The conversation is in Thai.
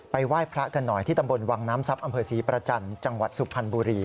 ไหว้พระกันหน่อยที่ตำบลวังน้ำทรัพย์อำเภอศรีประจันทร์จังหวัดสุพรรณบุรี